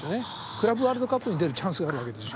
クラブワールドカップに出るチャンスがあるわけですよ。